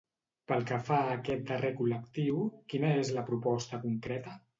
Pel que fa a aquest darrer col·lectiu, quina és la proposta concreta?